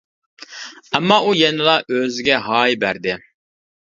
ئەمما ئۇ يەنىلا ئۆزىگە ھاي بەردى.